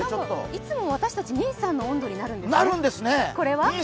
いつも私たち２３の温度になるんですね。